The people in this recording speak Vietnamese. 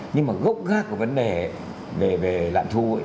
nhưng mà gốc gác của vấn đề về lạm thu